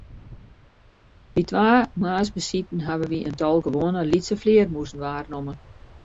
By twa moarnsbesiten hawwe wy in tal gewoane lytse flearmûzen waarnommen.